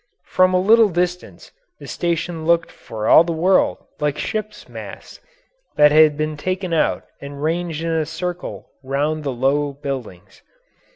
From a little distance the station looked for all the world like ships' masts that had been taken out and ranged in a circle round the low buildings.